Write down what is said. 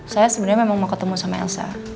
saya sebenarnya memang mau ketemu sama elsa